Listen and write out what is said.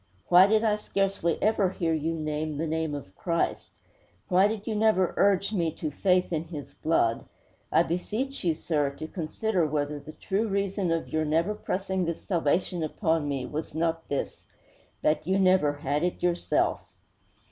Why did I scarcely ever hear you name the name of Christ? Why did you never urge me to faith in His blood? I beseech you, sir, to consider whether the true reason of your never pressing this salvation upon me was not this that you never had it yourself!'